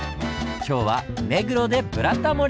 今日は目黒で「ブラタモリ」！